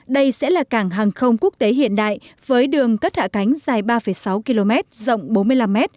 đây sẽ là cảng hàng không quốc tế hiện đại với đường cất hạ cánh dài ba sáu km rộng bốn mươi năm m